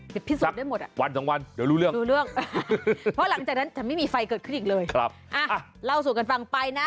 เดี๋ยวพิสูจน์ได้หมดอ่ะรู้เรื่องเพราะหลังจากนั้นจะไม่มีไฟเกิดขึ้นอีกเลยอ่ะเล่าสู่กันฟังไปนะ